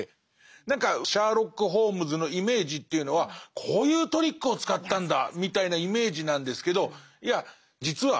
何かシャーロック・ホームズのイメージというのはこういうトリックを使ったんだみたいなイメージなんですけどいや実は